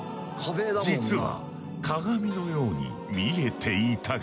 実は鏡のように見えていたが。